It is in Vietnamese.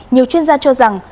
nhiều chuyên gia cho rằng